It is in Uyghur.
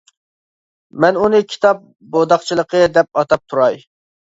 مەن ئۇنى «كىتاب بورداقچىلىقى» دەپ ئاتاپ تۇراي.